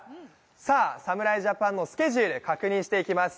さあ、侍ジャパンのスケジュール、確認していきます。